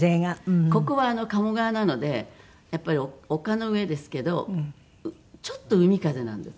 ここは鴨川なのでやっぱり丘の上ですけどちょっと海風なんです。